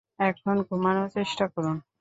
এখন ঘুমানোর চেষ্টা করুন।